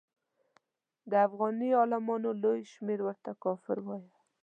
د افغاني عالمانو لوی شمېر ورته کافر وایه.